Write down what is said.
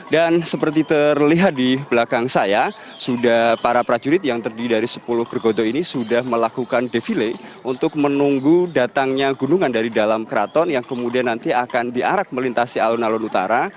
dan seperti terlihat di belakang saya sudah para prajurit yang terdiri dari sepuluh gergoto ini sudah melakukan defile untuk menunggu datangnya gunungan dari dalam keraton yang kemudian nanti akan diarak melintasi alun alun utara